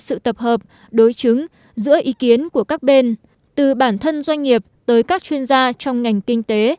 sự tập hợp đối chứng giữa ý kiến của các bên từ bản thân doanh nghiệp tới các chuyên gia trong ngành kinh tế